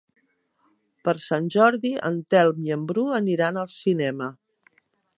Per Sant Jordi en Telm i en Bru aniran al cinema.